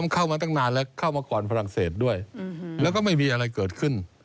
เข้ามาตั้งนานและกอดฝรั่งเศสด้วยและก็ไม่มีอะไรเกิดขึ้น